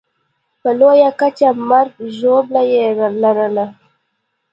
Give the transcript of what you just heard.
په لویه کچه مرګ ژوبله یې لرله.